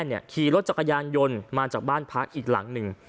ขี่รถจักรยานยนต์มาจากบ้านพักอีกหลังหนึ่ง